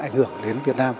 ảnh hưởng đến việt nam